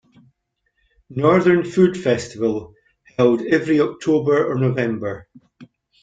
Northern Food Festival held every October or November.